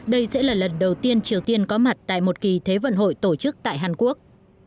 đây sẽ là lần đầu tiên triều tiên có mặt tại một kỳ thế vận hội tổ chức tại hàn quốc